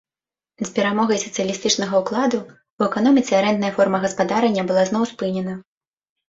З перамогай сацыялістычнага ўкладу ў эканоміцы арэндная форма гаспадарання была зноў спынена.